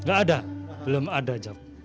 nggak ada belum ada jawab